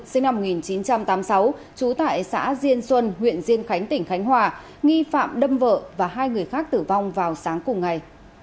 sinh năm một nghìn chín trăm tám mươi sáu trú tại xã diên xuân huyện diên khánh tỉnh khánh hòa nghi phạm đâm vợ và hai người khác tử vong vào sáng cùng ngày